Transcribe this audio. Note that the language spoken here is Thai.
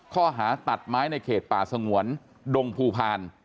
ข้อหาตัดไม้ในเขตป่าสงวนดงภูพาล